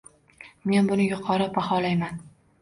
Men buni yuqori baholayman.